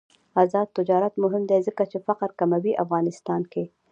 آزاد تجارت مهم دی ځکه چې فقر کموي افغانستان کې.